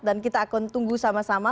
dan kita akan tunggu sama sama